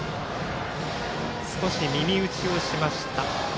少し耳打ちをしました。